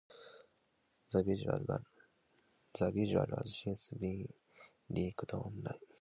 The visual has since been leaked online.